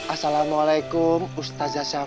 assalamualaikum ustadz syafa